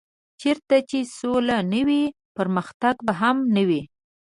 چېرته چې سوله نه وي پرمختګ به هم نه وي.